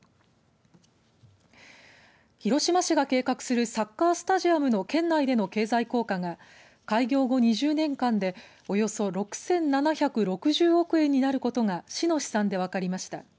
広島市が計画するサッカースタジアムの県内での経済効果が開業後２０年間でおよそ６７６０億円になることが市の試算で分かりました。